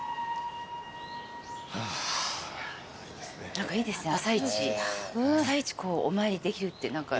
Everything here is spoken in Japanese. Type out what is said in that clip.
何かいいですね朝一お参りできるって。